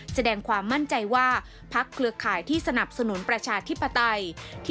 แสดงความมั่นใจว่าพักเครือข่ายที่สนับสนุนประชาธิปไตย